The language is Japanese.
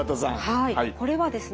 はいこれはですね